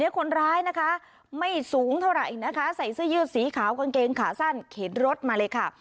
คนร้ายนะคะไม่สูงเท่าไหร่นะคะใส่เสื้อยืดสีขาวกางเกงขาสั้นเข็นรถมาเลยค่ะ